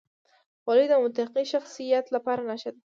خولۍ د متقي شخصیت لپاره نښه ده.